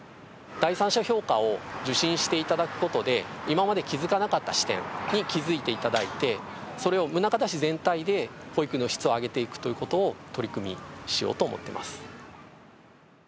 第三者評価を受審していただくことで今まで気づかなかった視点に気づいていただいてそれを宗像市全体で保育の質を上げていくということを取り組みしようと思っています。